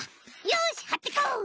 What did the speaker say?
よしはってこう！